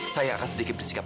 saya akan sedikit bersikap